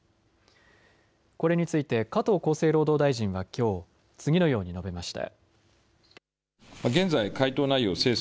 これについて加藤厚生労働大臣はきょう次のように述べました。